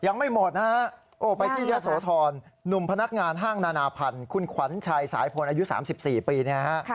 ยังไม่หมดนะฮะโอ้ไปที่ยะโสธรหนุ่มพนักงานห้างนานาพันธ์คุณขวัญชัยสายพลอายุ๓๔ปีเนี่ยฮะ